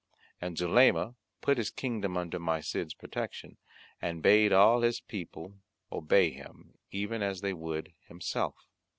And Zulema put his kingdom under my Cid's protection, and bade all his people obey him even as they would himself.